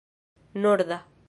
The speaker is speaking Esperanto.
norda